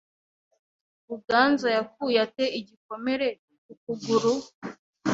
Buganza yakuye ate igikomere ku kuguru?